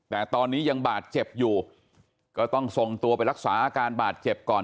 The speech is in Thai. แต่ตอนนี้ยังบาดเจ็บอยู่ก็ต้องส่งตัวไปรักษาอาการบาดเจ็บก่อน